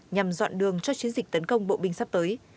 nhằm dọn đường cho chiến dịch tấn công bộ binh sắp tới